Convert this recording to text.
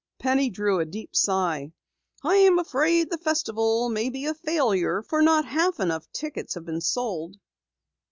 Penny drew a deep sigh. "I'm afraid the Festival may be a failure, for not half enough tickets have been sold."